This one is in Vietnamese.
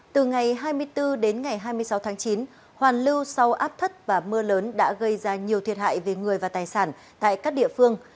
từ ngày hai mươi bốn đến ngày hai mươi sáu tháng chín hoàn lưu sau áp thấp và mưa lớn đã gây ra nhiều thiệt hại về người và tài sản tại các địa phương